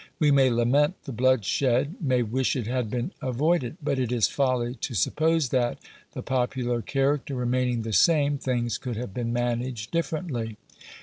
We may lament the bloodshed — f may wish it had been avoided ; but it is folly to suppose that, the popular character remaining the same, things could have been managed differently.